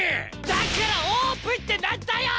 だからオープンって何だよ！